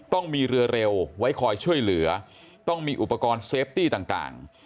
ต้องมีเรือเร็วไว้คอยช่วยเหลือต้องมีอุปกรณ์เซฟตี้ต่าง